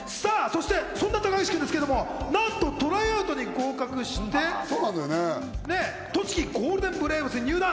その高岸君ですけれども、なんとトライアウトに合格して、栃木ゴールデンブレーブスに入団。